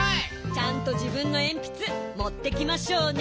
ちゃんとじぶんのえんぴつもってきましょうね。